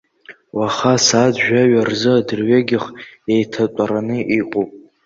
Уаха асааҭ жәаҩа рзы адырҩегьых еиҭатәараны иҟоуп.